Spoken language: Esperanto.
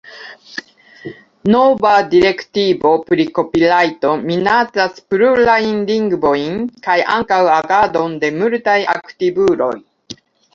Nova direktivo pri kopirajto minacas plurajn lingvojn kaj ankaŭ agadon de multaj aktivuloj.